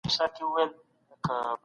ماشومان باید واکسین شي.